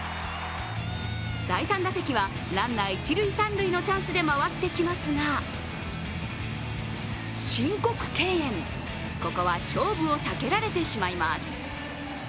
第３打席はランナー一・三塁のチャンスで回ってきますが申告敬遠、ここは勝負を避けられてしまいます。